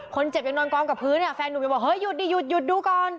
คนเจ็บยังนอนกองกับพื้นแฟนหนุ่มยังบอกเฮ้ยหยุดดิหยุดหยุดดูก่อน